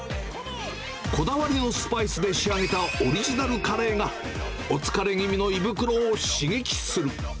こだわりのスパイスで仕上げたオリジナルカレーが、お疲れ気味の胃袋を刺激する。